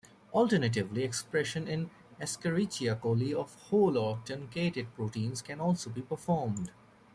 Alternatively expression in Escherichia coli of whole or truncated proteins can also be performed.